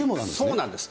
そうなんです。